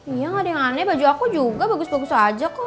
iya gak ada yang aneh baju aku juga bagus bagus aja kok